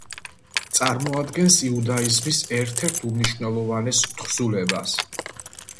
წარმოადგენს იუდაიზმის ერთ-ერთ უმნიშვნელოვანეს თხზულებას.